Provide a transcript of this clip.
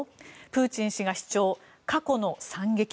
プーチン氏が主張、過去の惨劇。